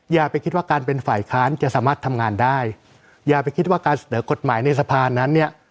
อย่าไปคิดว่าการเป็นฝ่ายค้านจะสามารถทำงานได้อย่าไปคิดว่าการเสนอกฎหมายในสภานั้นเนี่ย